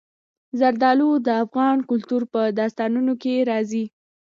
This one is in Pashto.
زردالو د افغان کلتور په داستانونو کې راځي.